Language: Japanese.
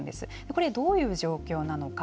これ、どういう状況なのか。